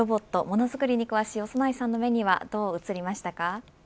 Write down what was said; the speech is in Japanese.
ものづくりに詳しい長内さんの目にはどう映りましたか。